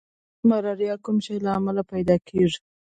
ملاریا د کوم شي له امله پیدا کیږي